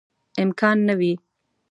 امکان نه وي.